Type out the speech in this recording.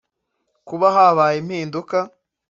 “Kuba habaye impinduka